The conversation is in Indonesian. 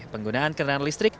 penggunaan kendaraan listrik